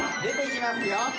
出てきますよ。